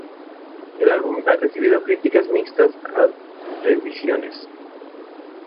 El álbum ha recibido críticas mixtas ad revisiones.